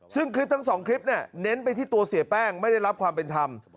ซึ่งคลิปทั้งสองคลิปเนี่ยเน้นไปที่ตัวเสียแป้งไม่ได้รับความเป็นธรรม